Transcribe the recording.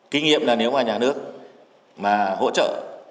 kinh nghiệm là nếu mà nhà nước mà hỗ trợ